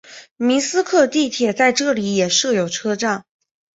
明斯克地铁在这里也设有车站。